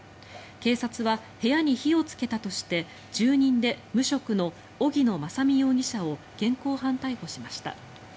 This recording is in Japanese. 警察は部屋に火をつけたとして住人で無職の荻野正美容疑者を現行犯逮捕しました。